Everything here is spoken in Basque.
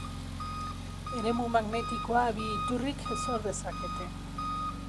Eremu magnetikoa bi iturrik sor dezakete.